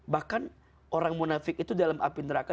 bahkan orang munafik itu dalam api neraka